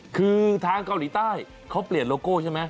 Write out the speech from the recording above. คือทางเกาหลีใต้เขาเปลี่ยนโลโก้ใช่ไหม